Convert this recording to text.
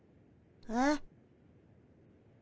えっ？